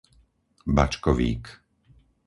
Bačkovík